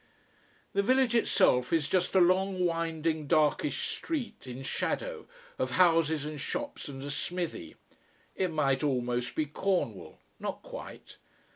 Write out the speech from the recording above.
The village itself is just a long, winding, darkish street, in shadow, of houses and shops and a smithy. It might almost be Cornwall: not quite.